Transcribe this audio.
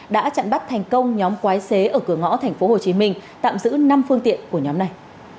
đã chặn bắt thành công nhóm quái xế ở cửa ngõ tp hcm tạm giữ năm phương tiện của nhóm này